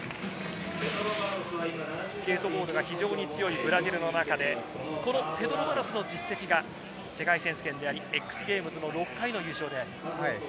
スケートボードが非常に強いブラジルの中でペドロ・バロスの実績が世界選手権であり、ＸＧＡＭＥＳの６回の優勝で。